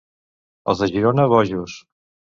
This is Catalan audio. Els de Girona, bojos.